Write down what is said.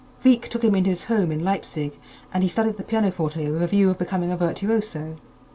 Wieck took him into his home in Leipzig and he studied the pianoforte with a view of becoming a virtuoso.